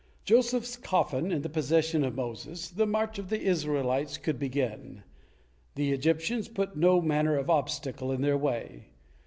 Joseph's coffin in the possession of Moses, the march of the Israelites could begin. The Egyptians put no manner of obstacle in their way.